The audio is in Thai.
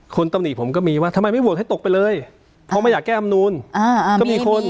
คนตะวนีผมก็มีว่าทำไมไม่โหวดให้ตกไปเลยเพราะไม่อยากแก้อำนูล